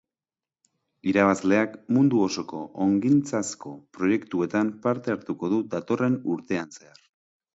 Irabazleak mundu osoko ongintzazko proiektuetan parte hartuko du datorren urtean zehar.